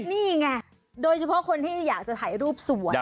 นี่ไงโดยเฉพาะคนที่อยากจะถ่ายรูปสวย